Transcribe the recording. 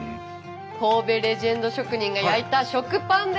神戸レジェンド職人が焼いた食パンでございます。